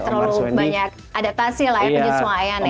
terlalu banyak adaptasi lah ya penyesuaian ya